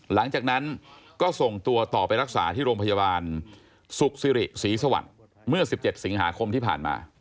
หลังจากนั้นก็ส่งตัวต่อไปรักษาที่โรงพยาบาลสุขสิริศรีสวัสดิ์เมื่อ๑๗สิงหาคมที่ผ่านมา